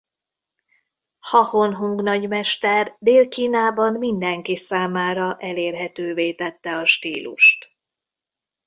Ha Hon Hung Nagymester Dél-Kínában mindenki számára elérhetővé tette a stílust.